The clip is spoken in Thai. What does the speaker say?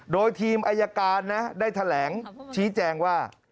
โดยทีมอายการนะได้แถลงชี้แจงว่า